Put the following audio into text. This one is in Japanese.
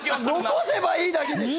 残せばいいだけでしょ。